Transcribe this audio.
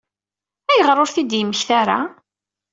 Ayɣer ur t-id-yemmekta ara?